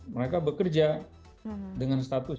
mereka bekerja dengan status